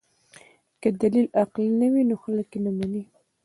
که دلیل عقلي نه وي نو خلک یې نه مني.